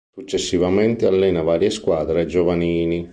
Successivamente allena varie squadre giovanili.